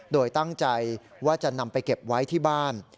โดยตั้งใจว่าจะนำไปเก็บไว้ที่บ้าน